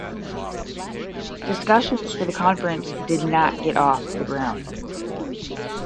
Discussions for the Conference did not get off the ground.